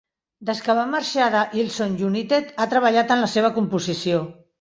Des que va marxar de Hillsong United, a treballat en la seva composició.